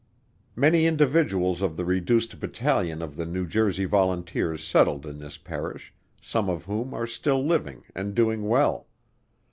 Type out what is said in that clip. Many individuals of the reduced Battalion of the New Jersey Volunteers settled in this Parish, some of whom are still living and doing well.